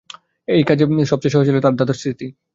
এই কাজে সব চেয়ে সহায় ছিল তার দাদার স্মৃতি।